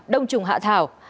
đông trùng hạ thảo